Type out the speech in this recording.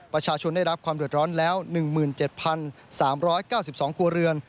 ประชาชนได้รับความเดือดร้อนแล้ว๑๗๓๙๒ครัวเรือน